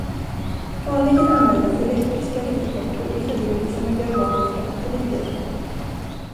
Vanligen användas elektriska ringklockor i förbindelse med galvaniska batterier.